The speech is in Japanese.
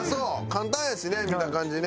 簡単やしね見た感じね。